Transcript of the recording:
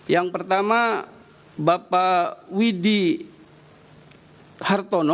yang pertama bapak widhi hartono